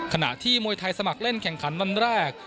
ขณะที่มวยไทยสมัครเล่นแข่งขันวันแรก